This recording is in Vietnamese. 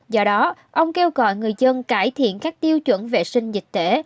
do đó ông kêu gọi người dân cải thiện các tiêu chuẩn vệ sinh dịch tễ